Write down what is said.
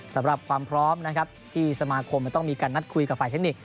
สำหรับความพร้อมนะครับที่สมาคมต้องมีการนัดคุยกับฝ่ายเทคนิค